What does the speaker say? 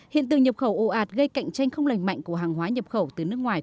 hiện tường nhập khẩu ồ ạt gây cạnh tranh không lành mạnh của hàng hóa nhập khẩu từ nước ngoài